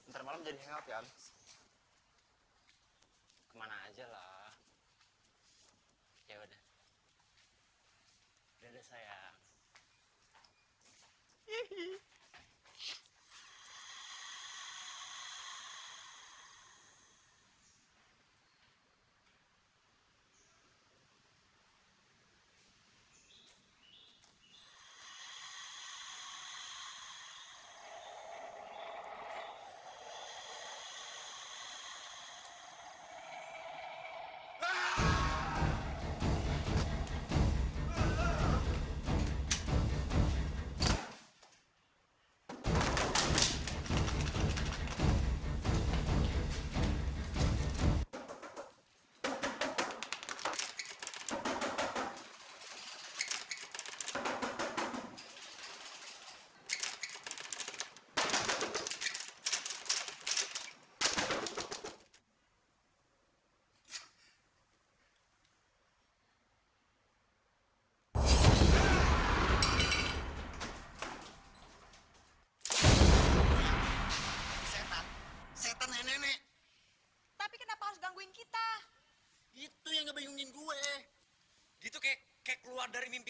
tapi kenapa harus gangguin kita itu yang ngebayungin gue itu kayak keluar dari mimpi